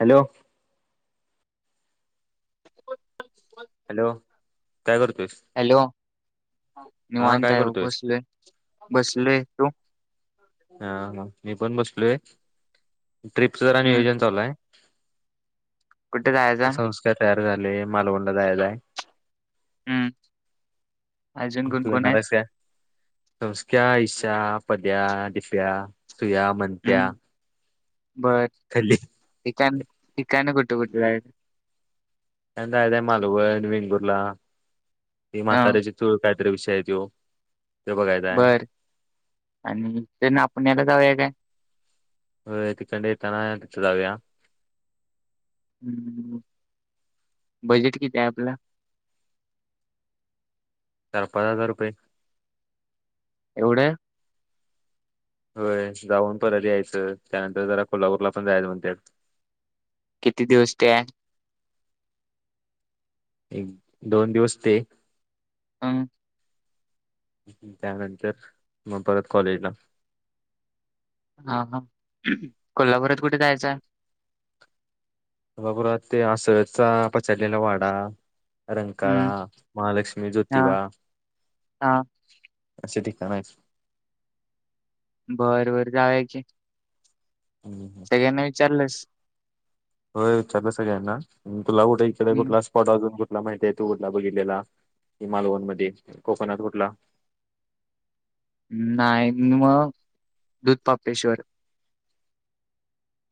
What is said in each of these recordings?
Hello [inaudible] hello काय करतोयस hello हा निवांत काय आहे बघ करतोयस बसलोय बसलोय तू हा हा मी पण बसलोय ट्रिपच जरा हम्म नियोजन चालू हाय कुठे जायचा संस्कार तयार झाले मालवणला जायला हम्म अजून कोण तू कोण आहेत येणारस का संस्क्या ईशा पद्या दिप्या सुया मंत्या हम्म बर ठिकाण ठिकानं कुठं कुठं जायचं जायचंय मालवण आणि वेंगुर्ला ही हा म्हाताऱ्याची चूळ का विषय हाय त्यो ते बघायचा आहे बर अ आणि त्यानी आपणाला जाऊया काय ओ तिकडताना येताना तिथ जाऊया हम् बजेट किती आहे आपला चार पाच हजार रुपये एवढं ढ होय जाऊन परत यायचं त्यानंतर जरा कोल्हापूरला पण जायचं म्हणतोय किती दिवस ते आहे एक दोन दिवस ते हा. त्यानंतरच मग परत कॉलेजला हा हा ह कोल्हापुरात कुठे जायचंय? रघुराज ते आसळचा पचडलेला वाडा हम्म रंकाळा, महालक्ष्मी, हा ज्योतिबा हा असे ते. त्यां मस बरं बरं जावूया की हम्म. सगळ्यांना विचारलंस स होय विचारलं सगळ्यां ना तुला कुठे इकडे हम्म कुठला स्पॉट अजून बघ तुला माहित आहे तू कुठला बघितलेला हि मालवण मध्ये कोकणात कुठला ररररर नाही मग दुधतापेश्वर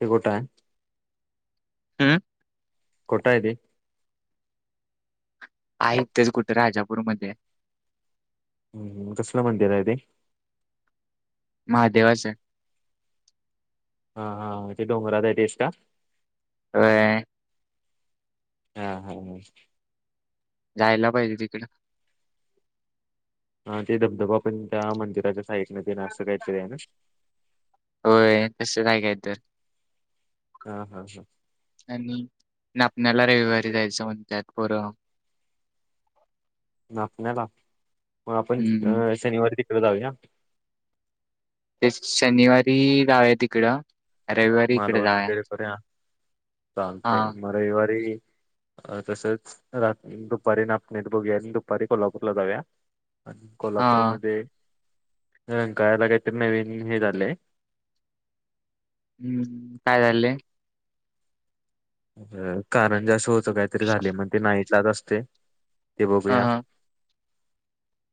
हे कुठाय हम्म म कुठाय रे? आहे इथेच कुठे राजापूरमध्ये हम्म कसलं मंदिर आहे ते? महादेवाचे हा हा ते ते डोंगराचा डेस्टा आहे अ ययय हा आ हा आ हा जायला पाहिजे तिकड. हा ते धबधबा पण त्या मंदिराच्या साइडने देनार असं काहीतरी आहे ना होय तसं काय काय काय तर हा हा हा आणि नापण्याला रविवारी जायचं म्हणत्यात पोर. नापण्याला मग आपण अ हम्म अ शनिवारी तिकडे जाऊया. ते शनिवारी जावे तिकडं रविवारी इकडे मालवण जाऊया वगैरे करा चालते हा म रविवारी अ तसंच रात्री दुपारी नापणीत बघूया आणि दुपारी कोल्हापूरला जाऊया. आणि हा कोल्हापूरमध्ये अ कायला [unintelligible] काहीतरी नवीन हे निघालय. हुं... काय झालंय? व्हय कारण ज्या अस होतं काहीतरी झाले मग ते नाईटलाच असतय. ते बघूया.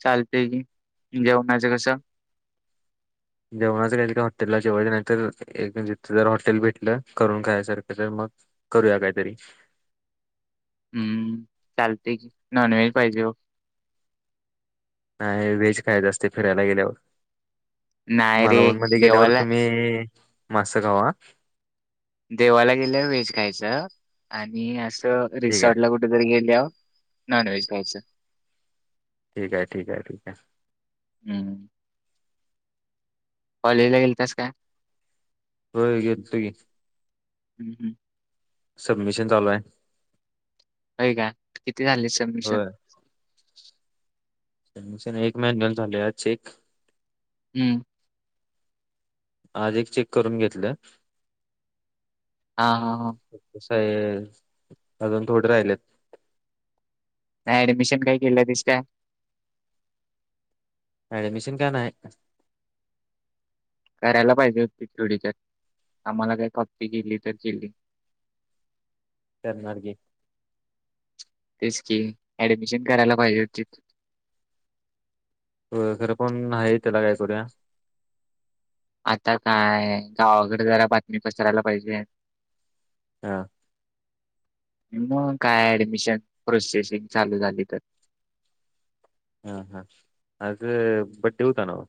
चालतेय की जेवणाचं कसं? जेवणाच काय तिथं हॉटेलला जेवायच नाही तर, एक तिथं जर हॉटेल भेटलं करून खायसारखं तर करूया कायतरी हम्म चालतयं की नॉन व्हेज पाहिजे बघ. नाय... व्हेज खायचं असतयं फिरायला गेल्यावर नाही रे मालवणमध्ये गेल्यावर देवाला तुम्ही मासं खावा. देवाला गेल्यावर व्हेज खायचं आणि असं ठीक आहे रिसॉर्ट कुठं तरी गेल्याव नॉनव्हेज खायच ठीक आहे ठीक आहे ठीक आहे हम्म कॉलेजला गेलतास काय होय गेलतो की हम्म हम्म सबमिशन चालू आहे होय काय किती झाले सबमीशन होय ना एक मॅच घऊन झाले आच एक हम्म आज एक चेक करून घेतलं हां, हां, हां. काय अजून थोडे राहिलेत नाही ऍडमिशन काही केलं तस का ऍडमिशन काय नाही करायला पाहिजे होती थवोडी तर आम्हाला काय खपती गिली तर जिली कर्नारकी तेच कि ऍडमिशन करायला पाहिजे होती खरं पण आहे त्याला काय करूया आता काय गावाकडे जरा बातमी पसरायला पाहिजे हा मग काय ऍडमिशन प्रोसेसिंग चालू झाली तर [inaudible] हा हा आज बडें हुता न्हव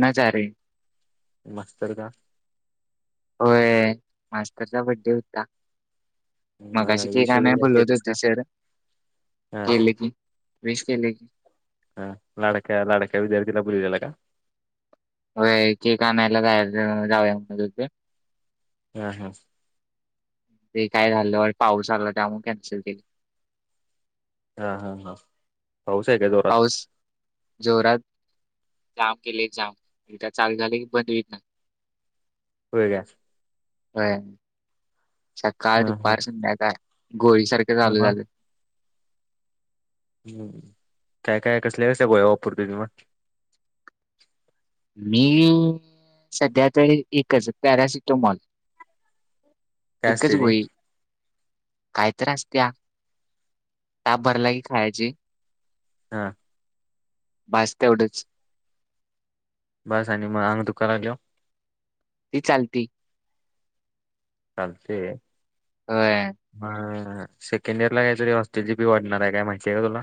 न जा रे मास्तर का होय. मास्तरचा बड्डे होता म मगाशी केक विश वगैरे आणायला काय बोलवत केलस का होते सर. हा केले की. विश केले की. हा लडक्या लडक्या विद्यार्थी दिलापला का ह क कामायला जायर जावया म्हण हम्म हम् ते काय झालं पाऊस आला त्यामुळे कॅन्सल केल हा हा हा पाऊस आहे काय जोरात पाऊस जोरात जाम केले जाम त्या चालू झाले की बंद होत ना होय का हो सकाळ हा हा दुपार संध्याकाळ काय गोळीसारखं चालू मग झालं हम् काय काय कसले कस आहे गोया पूर्गुजी म मी सध्या त एकच पॅरासिटोमॉल काय एकच असते ते गोळी काय तर असत्या ताप भरला की खायाची हा भाज ते एवढंच बस आणि आणि मग हग तु क आलो ती चालती चालते होय ह सेकंड इयर ला काहीतरी हॉस्टेल ची बी वाढणार आहे काय माहिती आहे का तुला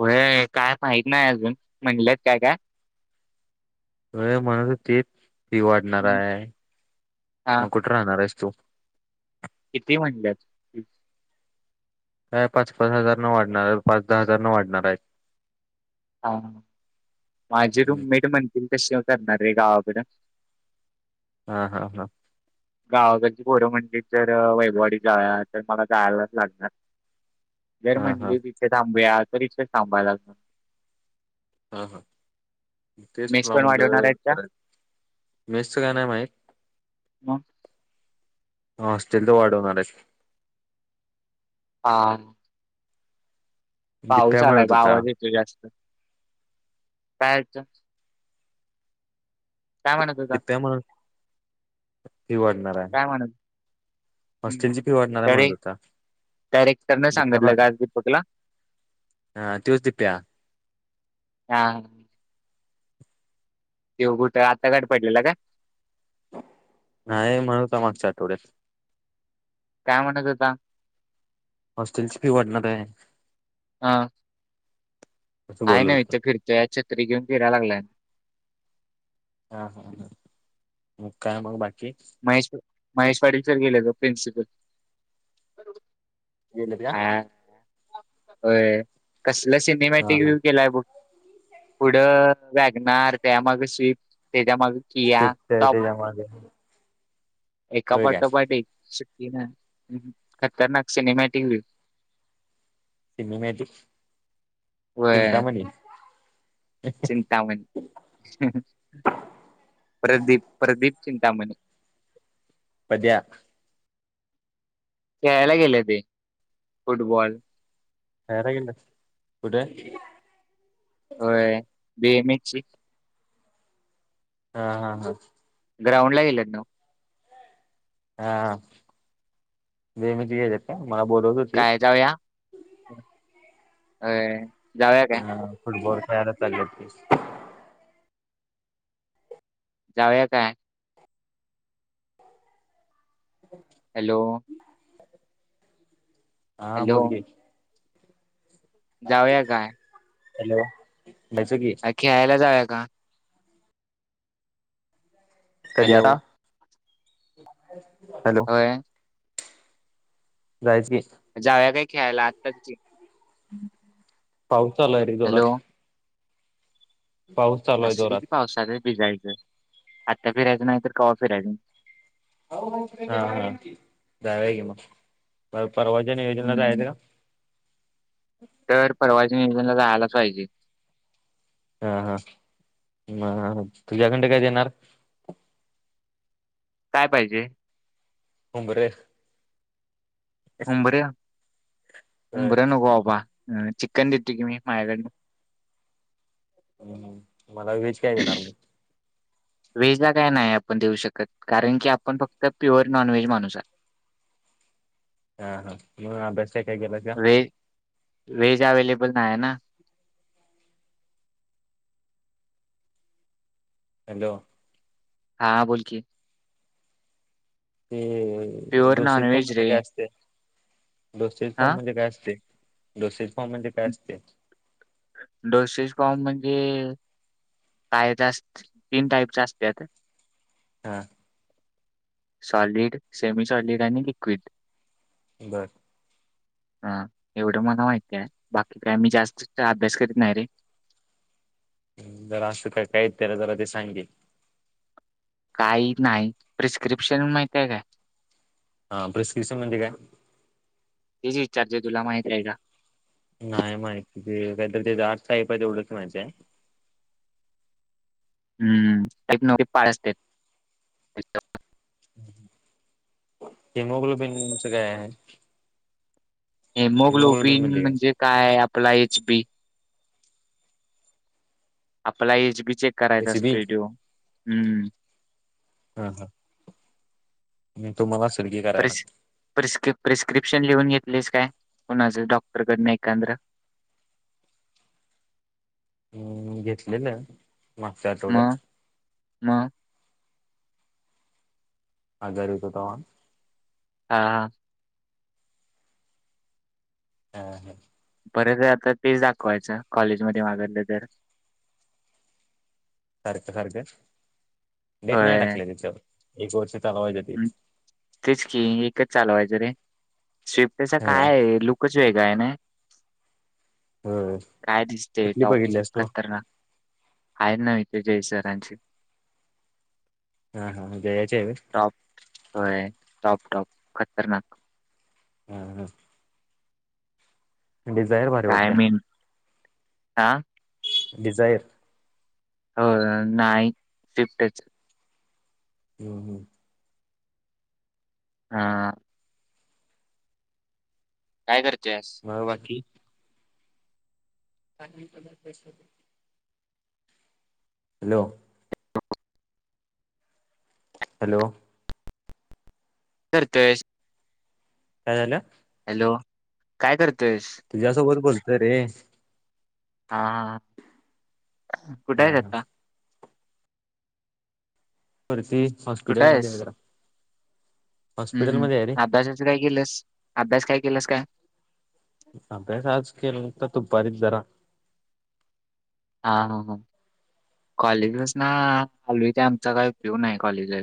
होय काय माहत नाही अजून म्हणलेत काय काय होय म्हणतहोतीत फी वाढणार हम्म. आहे हा मग कुठे राहणार आहे चो किती म्हणल्यात काय पाच पाच हजार न वाढणार पाच दहा हजार न वाढणार आहेत हा माझी हम्म. रुममेट म्हणती कसे करणार रे गावाकडे हा हा हा गावाकाची पोरं म्हणजे जर वैभववाडी तर मला जायलाच लागणार जर हा हा म्हणली तिथे थांबूया तर इिथेच थांबायलागत हा हा तेच तुला पण वाढवणार आहेत का म्हटलं मेस काही नाही माहीत [unintelligible] हॉस्टेल चे वाढवणारे हा दिप्या पाऊसालाय म्हणत बा होता आवाज येतो जास्त काय काय म्हणत होता? त्या म्हणे फी वाढणार आहे काय म्हणत हॉस्टेलची हम्म फी वाटणारा म्हणत तरी होता डायरेक्टरनं सांगितलं का आज दीपकला? हा तोयच दिप्या हा ते कुठे आता गाट पडलेला काय नाही म्हणूत मागच्या आठवड्यात काय म्हणत होता हॉस्टेलची फी वाढणार आहे अ असं आहे बोलत ना् होता. इथ फिरतो या छततरी घेऊन फिरायला लागलाय हा हा म काय मग बाकी महेश महेश पाटील सर गेले तर प्रिन्सिपल हा [unintelligible] होय कसलं हा सिनेमॅटिक हा व्ह्यू केलाय बग पुढं व्यागणार त्या मागे स्विपट त्यांच्यामागे ते किया टोप त्याच्या मागे एका होय काय पाठोपाठ एक खतरनाक cinema TV Cinemagic Chintamani Chintaman Pradeep Pradeep Chintamani पद्या खेळायला गेले ते फुटबॉल वरकन कुठे बे मी ची हा हा हा ग्राउंड ला गेलेत ना हा बेमती जात मला बोलवते काय जाऊया [unintelligible] हा फुटबॉल खेळायला चालेत जाऊया काय हॅलो हा हॅलो बोल की जाऊया काय हॅलो जायचं की अ खेळायला जाऊका कधी हॅलो आता होय राजगी जावया काय खेळायला आत्ताच पाऊसचालाय रे हॅलो जोरात पाऊस चालू आहे असेल जोरात की पावसात भिजायचं आता फिरायचं नाही तर कवा्हा फिरायचं [unintelligible] परवाजन योजना तर आहेत हम्म का नाला जालच पाहिजे हा हा ह तुझ्याकंडे काय देणार काय पाहिजे उंगरे उंबरे होय उंबरा नको बाबा हम चिकन देतूय की मी मायाकडंन हम्म मला व्हेज काय देणार मी व्हेज ला काय नाही आपण देऊ शकत कारण की आपण फक्त प्युअर नॉन व्हेज माणूस आह हह हा म अभ्यास काय काय केला त्व वेहेज अवेलेबल ना आहे ना हॅलो हा बोलकी हम् प्युअर दोसरी फॉर्म नॉनव्हेज मध्ये रे काय असते दोसरी फॉर्म हा मध्ये काय असते दोसरी डोसेस फोम म्हण ते [unintelligible] तीन टाईप असत हा सॉलिड सेमी सॉलिड आणि लिक्विड बर हा एवढं मला माहितय बाकी काय मी जास्त अभ्यास करीत नाही रे जरा असं काय काही त्याला जरा ते सांगेल काही नाही प्रिस्क्रिप्शन माहिती आहे काय हा प्रिस्क्रिप्शन म्हणजे काय चर्चे तुला माहित्या आहे का नाही माहिती ते काहीतरी ते [unintelligible] आहे तेवढंच माहिती आहे [inaudible] हम्म [unintelligible] पाळ असते हेिमोग्लोबिनचं काय आहे हेमोग्लोबिन म्हणजे काय आपला एच बी आपला एज बी चेक करायचा त्याची बी [unintelligible] हम् हम् हम पर करायला [unintelligible] आऊपशन लिहून घेतलेस काय कुणाच डॉक्टरकड नाही एकंद्र [inaudible] हम घेतलेलं मागच्या आठवड्यात मग मग हजर होतो तवा हा हा हा हा परत आता तेच दाखवायचं कॉलेजमध्येध्ये मागवलं तर सारखं सारखं डेट नाही होय टाकले त्याच्यावर एक वर्ष चालवायचं ते तेच की एकच चालवायचं रे शीफ्टच होय काय आहे लुकच वेगळा आहे ना होय काय दिसते कुठली टॉप बघितल्यास तू खतरनाक आहेय ना जय सराची हा- हा जय टॉपय टॉप- टॉप खतरनाक हम् -हम् डिझाईन भारी काय वाटत्या मिन हा डिझायर हो नाही शिफ्टच हम्म- हम् हा काय करते मग बाकी [unintelligible] का त पैस हॅलो हॅलो करतेस काय झालं हॅलो काय करतोयस तुझ्यासोबत बोलतोय रे हा ह कुठे हा हा आता पररती कुठे हॉस्पिटल मध्ये आहेस गं जरा हम्म -हम् हॉस्पिटलमध्ये आहे रे अभ्यासाच काय केलंस अभ्यास काय केलंस काय अभ्यास आज केलता दुपार जरा हा -हा -हा कॉलेजसन आलोय इथ आमचा काही उपयोग नाही कॉलेजला